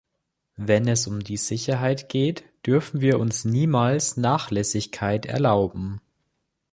Wenn es um die Sicherheit geht, dürfen wir uns niemals Nachlässigkeit erlauben.